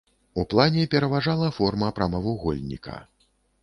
У плане пераважала форма прамавугольніка.